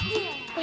asik asik asik